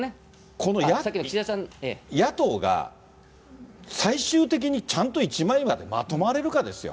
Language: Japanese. この野党が、最終的にちゃんと一枚岩でまとまれるかですよ。